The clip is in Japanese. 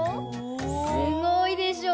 すごいでしょ。